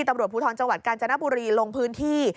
ตำรวจภูทรจังหวัดกาญจนบุรีลงพื้นที่